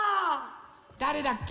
だれだっけ？